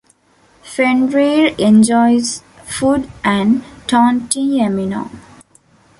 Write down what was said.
Fenrir enjoys food and taunting Yamino.